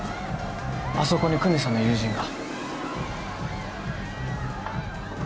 あそこに久実さんの友人が。